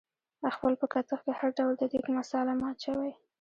خپل په کتغ کې هر ډول د دیګ مثاله مه اچوئ